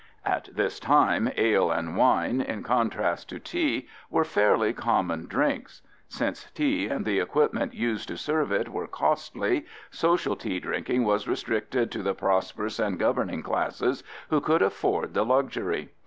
" At this time ale and wine, in contrast to tea, were fairly common drinks. Since tea and the equipment used to serve it were costly, social tea drinking was restricted to the prosperous and governing classes who could afford the luxury.